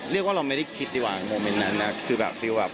เรียกว่าเราไม่ได้คิดดีกว่าในโมเมนต์นั้นนะ